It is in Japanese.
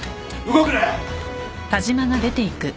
動くなよ。